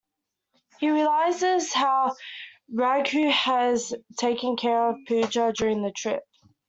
He realises how Raghu has taken care of Pooja during the trip.